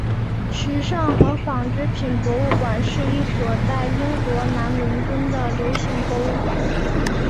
时尚和纺织品博物馆是一所在英国南伦敦的流行博物馆。